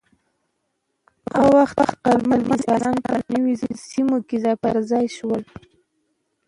هغه وخت عقلمن انسانان په نویو سیمو کې ځای پر ځای شول.